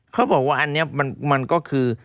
เขาบอกว่าอันนี้มันก็คือ